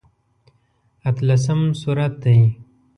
اتلسم سورت دی.